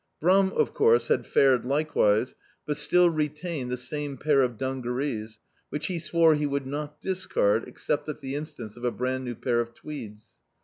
Brum, of course, had fared likewise, but still re tained the same pair of dungarees, which he swore he would not discard except at the instance of a brand new pair of tweeds.